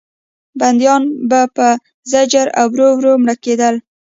بندیان به په زجر او ورو ورو مړه کېدل.